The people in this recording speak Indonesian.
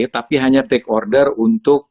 tapi hanya take order untuk